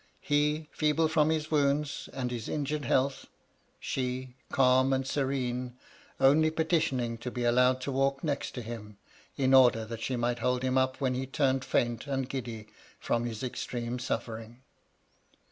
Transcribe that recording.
He, feeble from his wounds and his injured health ; she, calm and serene, only petitioning to be allowed to walk next' to him, in order that she might hold him up when he turned &int and giddy from his extreme suflTering.